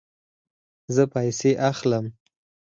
زه پیسې اخلم